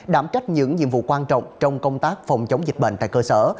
đảm trách những nhiệm vụ quan trọng trong công tác phòng chống dịch bệnh tại cơ sở